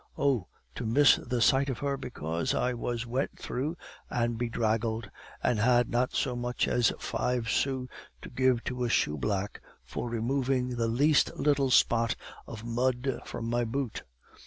Oh, to miss the sight of her because I was wet through and bedraggled, and had not so much as five sous to give to a shoeblack for removing the least little spot of mud from my boot!